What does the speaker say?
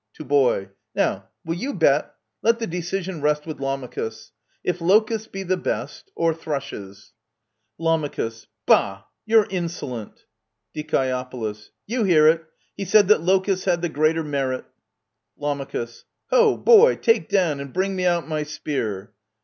(To Boy) Now, will you bet? — let the decision rest With Lamachus — if locusts be the best — Or thrushes. Lam. Bah ! You're insolent ! Die. You hear it ! He said that locusts had the greater merit !* Lam. Ho ! boy, take down, and bring me out, my spear